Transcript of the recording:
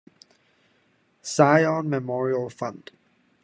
Zion Memorial Fund.